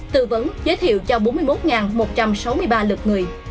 tư vấn giới thiệu cho bốn mươi một một trăm sáu mươi ba lượt người